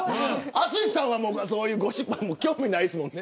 淳さんはそういうゴシップ興味ないですもんね。